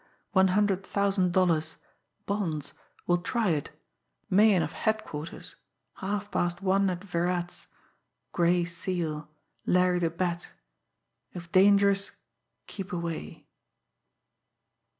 one hundred thousand dollars ... bonds ... will try it ... Meighan of headquarters ... half past one at Virat's ... Gray Seal ... Larry the Bat ... if dangerous, keep away